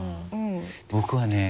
僕はね